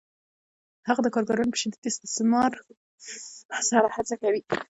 هغه د کارګرانو په شدید استثمار سره هڅه کوي